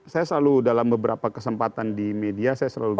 saya selalu dalam beberapa kesempatan di media saya selalu bilang